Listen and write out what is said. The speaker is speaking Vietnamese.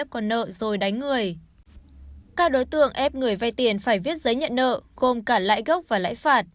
các đối tượng ép người vay tiền phải viết giấy nhận nợ gồm cả lãi gốc và lãi phạt